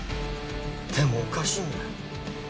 でもおかしいんだよ。